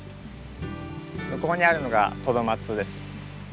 向こうにあるのがトドマツです。